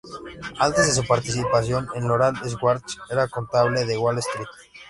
Antes de su participación en Loral, Schwartz era contable de Wall Street.